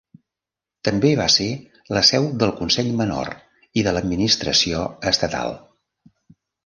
També va ser la seu del Consell Menor i de l'administració estatal.